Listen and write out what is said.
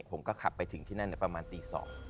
ผมก็ขับไปถึงที่นั่นประมาณตี๒